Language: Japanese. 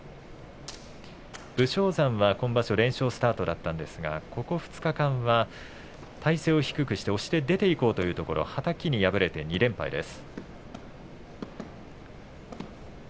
武将山は今場所連勝スタートでしたがここ２日間は体勢を低くして押して出ていこうというところはたきに敗れて２連敗です。